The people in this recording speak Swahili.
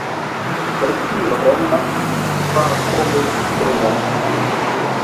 chelsea wakaenda kutwaa kombe mbele ya bayern